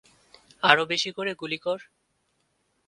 আরো বেশি করে গুলি কর!